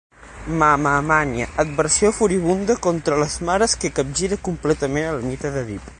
Mamamania: aversió furibunda contra les mares que capgira completament el mite d'Èdip.